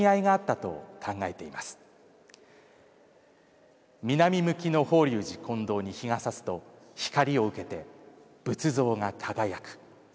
南向きの法隆寺金堂に日がさすと光を受けて仏像が輝く。